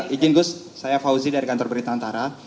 ijin gus saya fauzi dari kantor berita antara